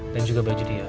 dan juga baju dia